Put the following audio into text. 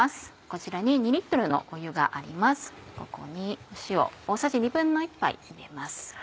ここに塩大さじ１／２杯入れます。